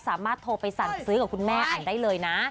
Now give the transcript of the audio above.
สามารถโทรไปสั่งซื้อกับคุณแม่อันได้เลยนะ